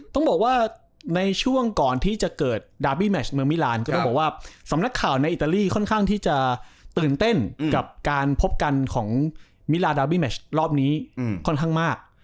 ต้องบอกว่าในช่วงก่อนที่จะเกิดดาร์บี้แมชเมืองมิลานก็ต้องบอกว่าสำนักข่าวในอิตาลีค่อนข้างที่จะตื่นเต้นกับการพบกันของมิลาดาบี้แมชรอบนี้ค่อนข้างมาก